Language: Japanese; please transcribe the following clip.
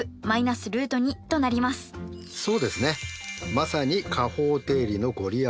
まさに加法定理の御利益